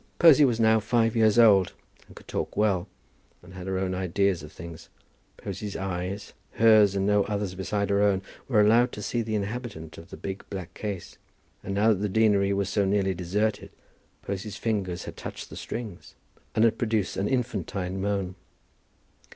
Posy was now five years old, and could talk well, and had her own ideas of things. Posy's eyes, hers, and no others besides her own, were allowed to see the inhabitant of the big black case; and now that the deanery was so nearly deserted, Posy's fingers had touched the strings, and had produced an infantine moan.